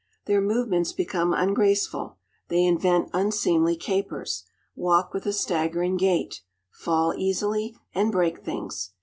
Their movements become ungraceful; they invent unseemly capers, walk with a staggering gait, fall easily, and break things.